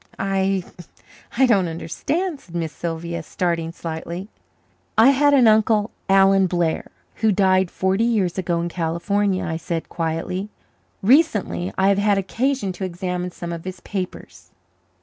"I I don't understand," said Miss Sylvia, starting slightly. "I had an uncle, Alan Blair, who died forty years ago in California," I said quietly. "Recently I have had occasion to examine some of his papers.